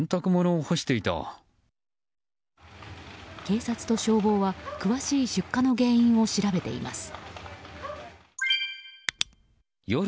警察と消防は詳しい出火の原因を調べています。